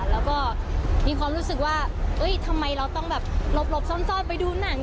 แล้วก็มีความรู้สึกว่าทำไมเราต้องแบบหลบซ่อนไปดูหนัง